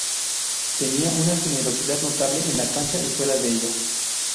Tenía una generosidad notable en la cancha y fuera de ella"